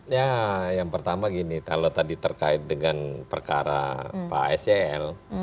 ya yang pertama gini kalau tadi terkait dengan perkara pak sel